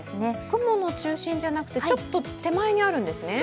雲の中心じゃなくて、ちょっと手前にあるんですね。